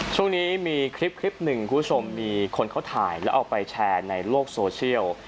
ช่วงนี้มีคลิปหนึ่งคุณผู้ชมมีคนเขาถ่ายแล้วเอาไปแชร์ในโลกโซเชียล